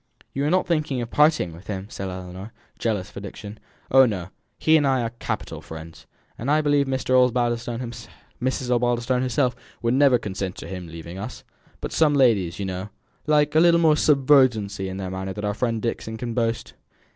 "You are not thinking of parting with him?" said Ellinor, jealous for Dixon. "Oh, no; he and I are capital friends. And I believe Mrs. Osbaldistone herself would never consent to his leaving us. But some ladies, you know, like a little more subserviency in manner than our friend Dixon can boast."